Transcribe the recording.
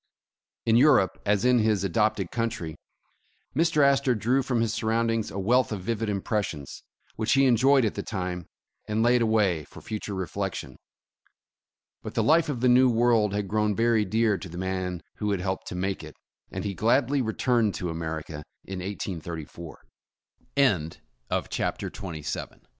In Europe, as in his adopted country, Mr. Astor drew from his surroundings a wealth of vivid impres sions, which he enjoyed at the time, and laid away for future reflection. But the life of the new world had grown very dear to the man who had helped to make it, and he gladly returned to America in 183